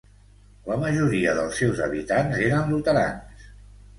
La majoria dels seus habitants eren luterans.